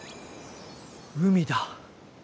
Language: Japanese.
海だ！